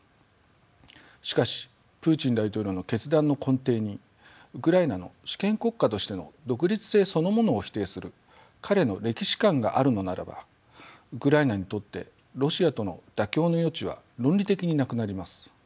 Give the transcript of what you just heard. しかしプーチン大統領の決断の根底にウクライナの主権国家としての独立性そのものを否定する彼の歴史観があるのならばウクライナにとってロシアとの妥協の余地は論理的になくなります。